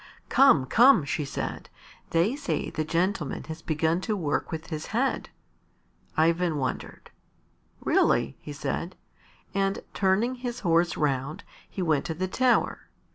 "Come, come," she said. "They say the gentleman has begun to work with his head." Ivan wondered. "Really?" he said, and turning his horse round, he went to the tower.